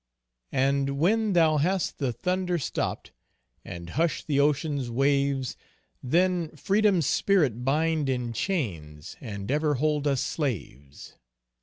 And when thou hast the thunder stopped, And hushed the ocean's waves, Then, freedom's spirit bind in chains, And ever hold us slaves.